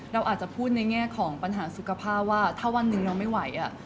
เราอาจจะพูดในแง่ของปัญหาสุขภาพว่าถ้าวันหนึ่งเราไม่ไหว